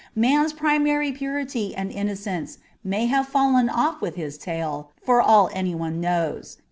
Man's primary purity and innocence may have dropped off with his tail, for all anybody knows.